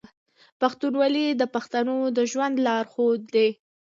پښتونولي د پښتنو د ژوند لارښود دی.